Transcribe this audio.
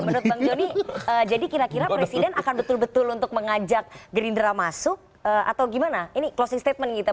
menurut bang joni jadi kira kira presiden akan betul betul untuk mengajak gerindra masuk atau gimana ini closing statement gitu